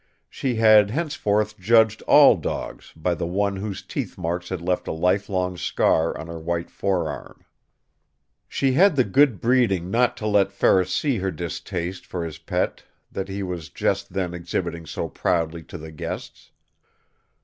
She had henceforth judged all dogs by the one whose teeth marks had left a lifelong scar on her white forearm. She had the good breeding not to let Ferris see her distaste for his pet that he was just then exhibiting so proudly to the guests.